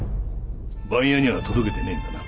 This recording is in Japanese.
番屋には届けてねえんだな。